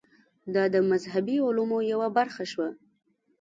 دا د مذهبي عملونو یوه برخه شوه.